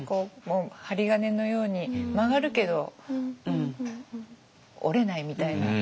針金のように曲がるけど折れないみたいな。